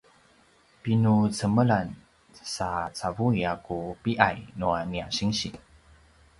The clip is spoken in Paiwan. pinucemelan sa cavui a ku pi’ay nua nia sinsi